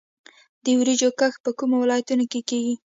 د وریجو کښت په کومو ولایتونو کې کیږي؟